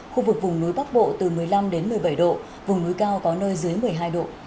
khu vực vùng núi bắc bộ từ một mươi năm đến một mươi bảy độ vùng núi cao có nơi dưới một mươi hai độ